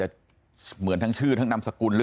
แต่มันต้องไปดูเชิงลึกด้วยนะครับ